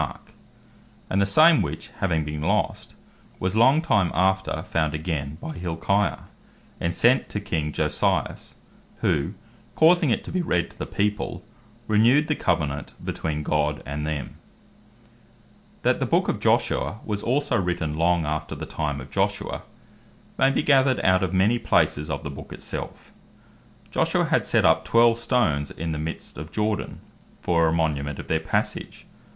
26) and the same which having been lost, was long time after found again by Hilkiah, and sent to King Josias, who causing it to be read to the People, renewed the Covenant between God and them. (2 King. 22. 8 & 23. 1,2,3) The Book of Joshua Written After His Time That the Book of Joshua was also written long after the time of Joshua, may be gathered out of many places of the Book it self. Joshua had set up twelve stones in the middest of Jordan, for a monument of their passage; (Josh 4.